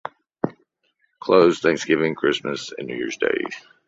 Closed Thanksgiving, Christmas and New Year's Day.